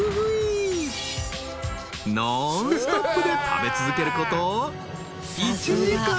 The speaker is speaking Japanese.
［ノンストップで食べ続けること１時間］